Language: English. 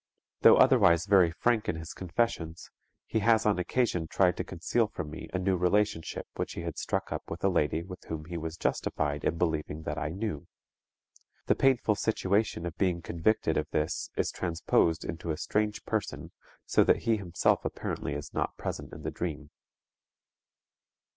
Though otherwise very frank in his confessions, he has on this occasion tried to conceal from me a new relationship which he had struck up with a lady whom he was justified in believing that I knew. The painful situation of being convicted of this is transposed into a strange person so that he himself apparently is not present in the dream.